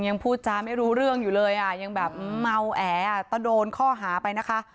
ยังพูดจาไม่รู้เรื่องอยู่เลยอ่ะยังแบบเมาแออ่ะก็โดนข้อหาไปนะคะ